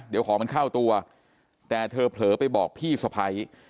เดี๋ยวของมันเข้าตัวแต่เธอเผลอไปบอกพี่สะพ้าย